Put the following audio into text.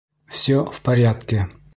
Все в порядке!